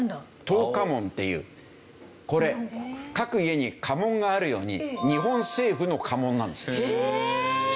桐花紋っていうこれ各家に家紋があるように日本政府の家紋なんですよ。